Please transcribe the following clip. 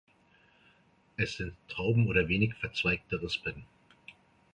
Es sind Trauben oder wenig verzweigte Rispen.